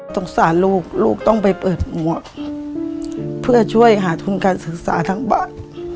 สงสารลูกลูกต้องไปเปิดหมวกเพื่อช่วยหาทุนการศึกษาทั้งบ้าน